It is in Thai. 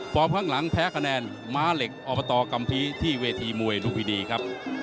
ข้างหลังแพ้คะแนนม้าเหล็กอบตกัมภีร์ที่เวทีมวยลุมพินีครับ